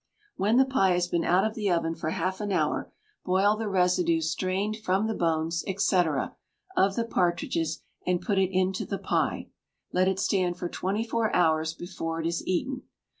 When the pie has been out of the oven for half an hour, boil the residue strained from the bones &c., of the partridges, and put it into the pie. Let it stand for twenty four hours before it is eaten.